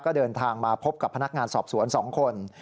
ก็เดินทางมาพบกับพนักงานสอบสวน๒คน